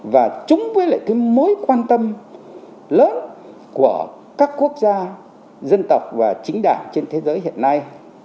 và chúng với lại cái mối quan tâm lớn của các quốc gia dân tộc và chính đảng trên thế giới hiện nay